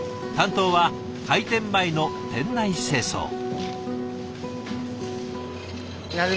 担当は開店前の店内清掃。